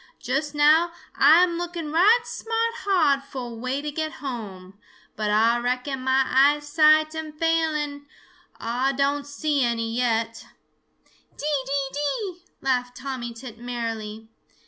Just now, Ah am looking right smart hard fo' a way to get home, but Ah reckon mah eyesight am failing; Ah don' see any yet." "Dee, dee, dee!" laughed Tommy Tit merrily.